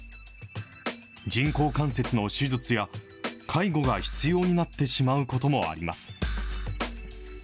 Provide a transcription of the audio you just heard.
人工関節の手術や、介護が必要になってしまうこともあります。